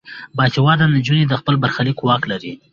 باسواده نجونې د خپل برخلیک واک لري.